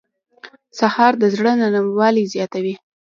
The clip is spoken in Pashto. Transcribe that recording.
سهار د زړه نرموالی زیاتوي.